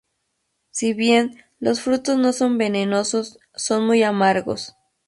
Si bien los frutos no son venenosos, son muy amargos.